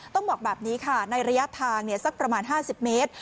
ต้องบอกแบบนี้ค่ะในระยะทางสักประมาณ๕๐เมตร